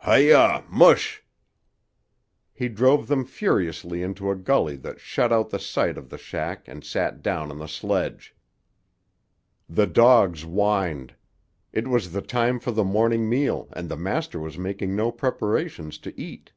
"Hi yah, mush!" He drove them furiously into a gully that shut out the sight of the shack and sat down on the sledge. The dogs whined. It was the time for the morning meal and the master was making no preparations to eat.